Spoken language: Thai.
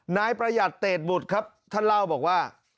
นายประหยัดเตดบุตรครับท่านเล่าบอกว่า